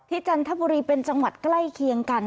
จันทบุรีเป็นจังหวัดใกล้เคียงกัน